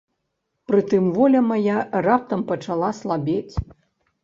Прытым воля мая раптам пачала слабець.